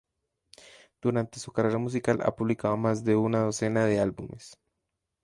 Durante su carrera musical, ha publicado más de una docena de álbumes.